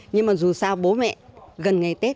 nhưng mà dù sao bố mẹ gần ngày tết